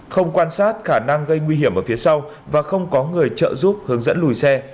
không quan sát khả năng gây nguy hiểm ở phía sau và không có người trợ giúp hướng dẫn lùi xe